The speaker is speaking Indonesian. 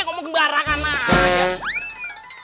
ngomong kembarangan aja